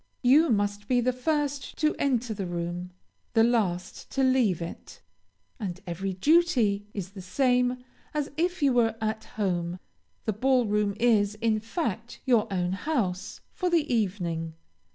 You must be the first to enter the room, the last to leave it, and every duty is the same as if you were at home; the ball room is, in fact, your own house, for the evening.